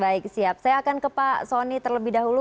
baik siap saya akan ke pak soni terlebih dahulu